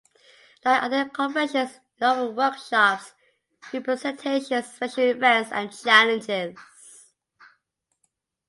Like other conventions, it offered workshops, presentations, special events and challenges.